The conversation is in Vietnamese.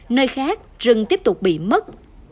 nơi khác rừng tiếp tục bị mất